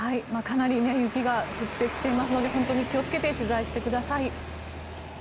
かなり雪が降ってきていますので本当に気をつけて取材してください。